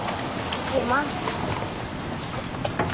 行きます。